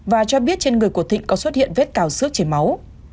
và cho biết trên người của thịnh có xuất hiện vết cào xước chảy máu